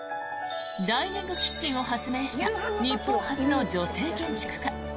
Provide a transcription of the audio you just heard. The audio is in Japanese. ダイニングキッチンを発明した日本初の女性建築家。